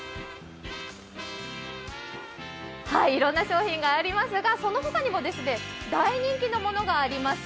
いろんな商品がありますが、その他にも大人気のものがあります。